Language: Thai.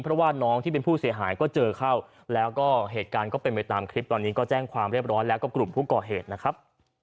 เพราะว่าน้องที่เป็นผู้เสียหายก็เจอเข้าแล้วก็เหตุการณ์ก็เป็นไปตามคลิปตอนนี้ก็แจ้งความเรียบร้อยแล้วกับกลุ่มผู้ก่อเหตุนะครับ